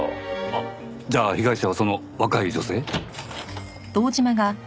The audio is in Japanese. あっじゃあ被害者はその若い女性？